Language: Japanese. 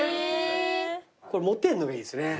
これ持てんのがいいですね。